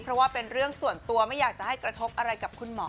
เพราะว่าเป็นเรื่องส่วนตัวไม่อยากจะให้กระทบอะไรกับคุณหมอ